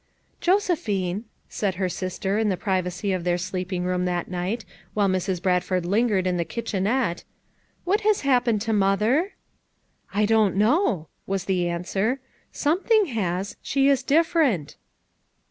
" "Josephine," said her sister in the privacy of their sleeping room that night, while Mrs. Brad ford lingered in the kitchenette, "what has hap pened to Mother?" "I don't know," was the answer. "Some thing has; she is different."